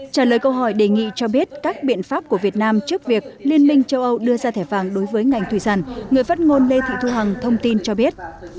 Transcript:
trả lời câu hỏi đề nghị cho biết các biện pháp của việt nam trước việc liên minh châu âu đưa ra thẻ vàng đối với ngành thủy sản người phát ngôn lê thị thu hằng thông tin cho biết